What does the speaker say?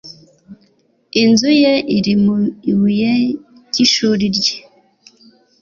Inzu ye iri mu ibuye ry’ishuri rye.